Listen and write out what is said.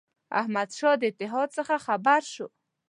احمدشاه د اتحاد څخه خبر شو.